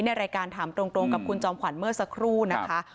ในรายการถามตรงกับคุณจอมขวัญเมื่อสักครู่นะคะ